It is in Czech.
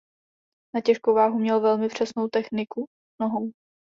Na těžkou váhu měl velmi přesnou techniku nohou.